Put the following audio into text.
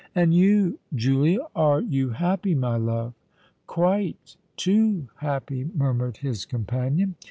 "And you, Julia—are you happy, my love?" "Quite—too happy!" murmured his companion.